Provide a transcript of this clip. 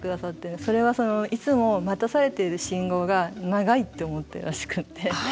それはいつも待たされている信号が長いって思ってるらしくって。